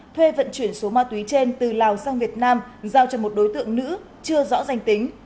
thuê vận chuyển số ma túy trên từ lào sang việt nam giao cho một đối tượng nữ chưa rõ danh tính